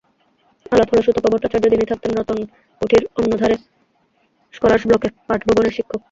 আলাপ হলো সুতপা ভট্টাচার্য্য, যিনি থাকতেন রতনকুঠির অন্যধারে, স্কলার্স ব্লকে, পাঠভবনের শিক্ষক।